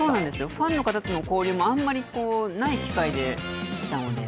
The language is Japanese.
ファンの方たちとの交流もあんまりない機会で来たので。